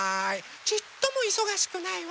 ちっともいそがしくないわ。